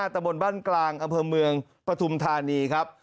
ตะบนบ้านกลางอำเภอเมืองปฐุมธานีครับ